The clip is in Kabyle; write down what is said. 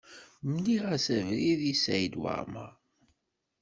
Mliɣ-as abrid i Saɛid Waɛmaṛ.